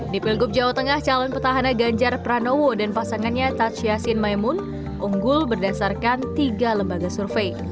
di pilgub jawa tengah calon petahana ganjar pranowo dan pasangannya taj yassin maimun unggul berdasarkan tiga lembaga survei